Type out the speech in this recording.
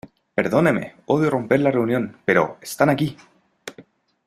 Perdóneme. Odio romper la reunión, pero ¡ están aquí!